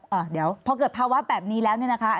ค่ะซึ่งพอเกิดภาวะแบบนี้แล้วเนี่ยนะคะ